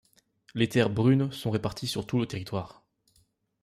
Les terres brunes sont réparties sur tout le territoire.